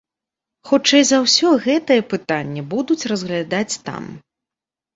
Хутчэй за ўсё, гэтае пытанне будуць разглядаць там.